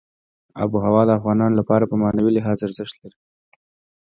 آب وهوا د افغانانو لپاره په معنوي لحاظ ارزښت لري.